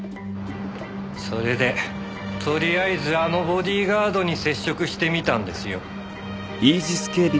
それでとりあえずあのボディーガードに接触してみたんですよ。